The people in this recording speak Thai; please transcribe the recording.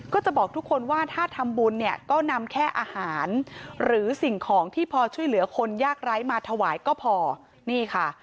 ก็จะบอกทุกคนว่าถ้าทำบุญเนี่ยก็นำแค่อาหารหรือสิ่งของที่พอช่วยเหลือคนยากไร้มาถวายก็พอนี่ค่ะ